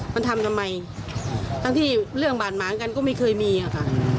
มันทำทำไมทั้งที่เรื่องบาดหมางกันก็ไม่เคยมีอะค่ะ